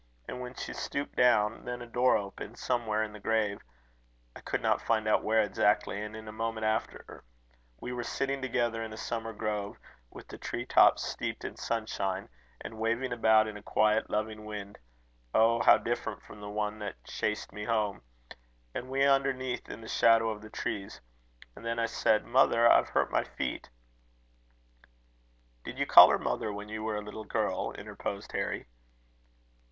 And when she stooped down, then a door opened somewhere in the grave, I could not find out where exactly and in a moment after, we were sitting together in a summer grove, with the tree tops steeped in sunshine, and waving about in a quiet loving wind oh, how different from the one that chased me home! and we underneath in the shadow of the trees. And then I said, 'Mother, I've hurt my feet.'" "Did you call her mother when you were a little girl?" interposed Harry.